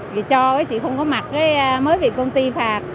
thì cho thì chị không có mặc mới bị công ty phạt